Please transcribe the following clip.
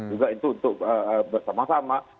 juga itu untuk bersama sama